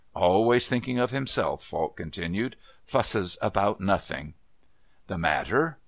"Always thinking of himself," Falk continued. "Fusses about nothing." "The matter?"